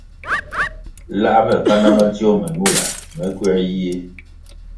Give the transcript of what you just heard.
Lā me kanda madzio me ñula, me gywē yie.